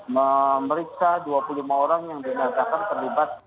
memeriksa dua puluh lima orang yang dinyatakan terlibat